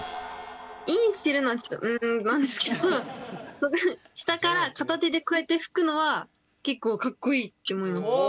インしてるのはちょっと「うん」なんですけど下から片手でこうやってふくのは結構かっこいいって思いました。